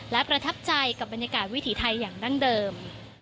และประทับใจกับบรรยากาศวิถีไทยอย่างดั้งเดิม